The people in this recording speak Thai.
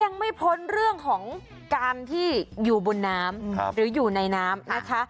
ยังไม่พ้นเรื่องของการที่อยู่บนน้ำหรืออยู่ในน้ำนะคะ